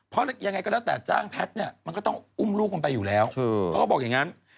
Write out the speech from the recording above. เพราะยังไงก็แล้วแต่จ้างแพทย์เนี่ยมันก็ต้องอุ้มลูกมันไปอยู่แล้วเขาก็บอกอย่างนั้น